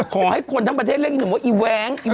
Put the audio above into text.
ขอให้คนทั้งประเทศเร่งหนึ่งว่าอีแว้ง